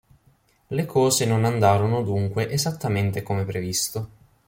Le cose non andarono dunque esattamente come previsto.